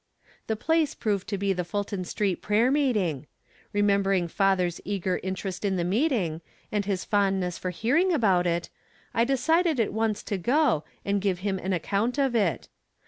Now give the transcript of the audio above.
The place proved to be the Fulton Street prayer meeting. Remembering father's eager in From Different Standpoints. 21 terest in the meeting, and his fondness for hear ing about it, I decided at once to go, and give him an account of it.